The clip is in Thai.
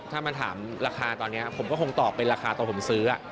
ถ้ามาถามราคาตอนนี้ผมก็คงตอบเป็นราคาตอนผมซื้อ